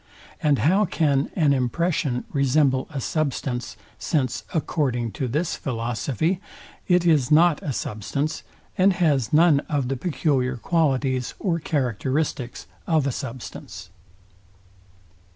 And how can an impression resemble a substance, since, according to this philosophy, it is not a substance, and has none of the peculiar qualities or characteristics of a substance?